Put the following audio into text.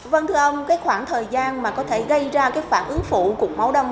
vâng thưa ông cái khoảng thời gian mà có thể gây ra cái phản ứng phụ cục máu đông